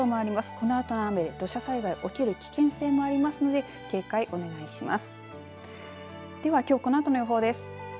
このあとの雨で土砂災害が起きる危険性もありますので警戒お願いします。